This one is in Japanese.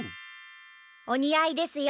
おにあいですよ